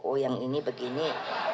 oh yang ini begini